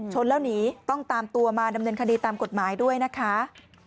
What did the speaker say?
ชนแล้วหนีต้องตามตัวมาดำเนินคดีตามกฎหมายด้วยนะคะ